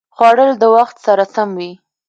خوړل د وخت سره سم وي